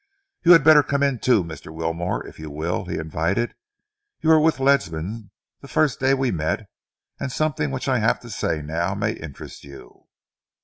"You had better come in, too, Mr. Wilmore, if you will," he invited. "You were with Ledsam, the first day we met, and something which I have to say now may interest you."